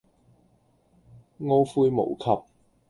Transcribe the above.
懊悔無及